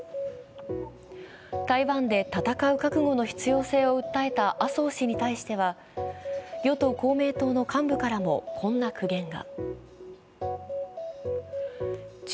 台湾で戦う覚悟の必要性を訴えた麻生氏に対しては与党・公明党の幹部からもこんな苦言が。